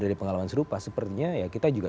dari pengalaman serupa sepertinya ya kita juga